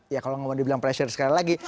ya kalau nggak mau dibilang pressure sekali lagi